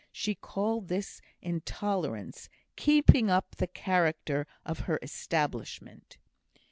She called this intolerance "keeping up the character of her establishment."